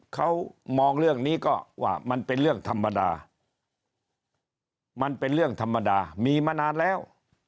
เขามองเรื่องนี้ก็ว่ามันเป็นเรื่องธรรมดามันเป็นเรื่องธรรมดามีมานานแล้ว